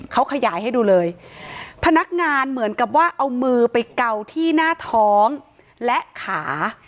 เขาขยายให้ดูเลยพนักงานเหมือนกับว่าเอามือไปเกาที่หน้าท้องและขา